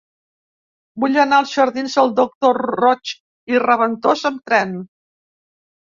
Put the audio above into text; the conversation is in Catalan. Vull anar als jardins del Doctor Roig i Raventós amb tren.